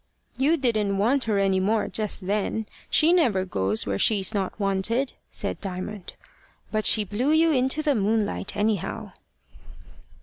"You didn't want her any more, just then. She never goes where she's not wanted," said Diamond. "But she blew you into the moonlight, anyhow."